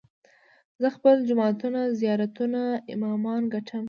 زه خپل جوماتونه، زيارتونه، امامان ګټم